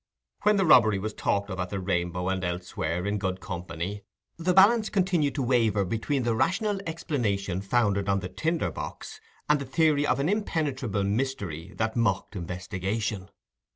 When the robbery was talked of at the Rainbow and elsewhere, in good company, the balance continued to waver between the rational explanation founded on the tinder box, and the theory of an impenetrable mystery that mocked investigation.